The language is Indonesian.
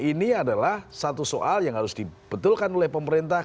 ini adalah satu soal yang harus dibetulkan oleh pemerintah